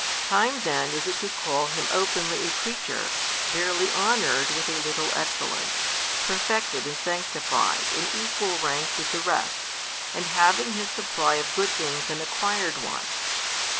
Time then is it to call Him openly a creature, barely honoured with a little excellence, perfected and sanctified in equal rank with the rest, and having His supply of good things an acquired one.